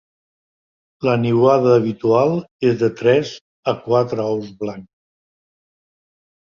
La niuada habitual és de tres a quatre ous blancs.